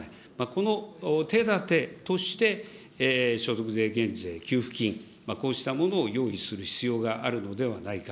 この手立てとして、所得税減税、給付金、こうしたものを用意する必要があるのではないか。